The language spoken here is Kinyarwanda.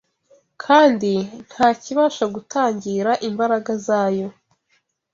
kandi nta kibasha gutangira imbaraga zayo